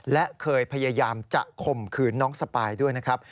และเคยพยายามจะข่มขืนน้องสปายด้วยนะครับ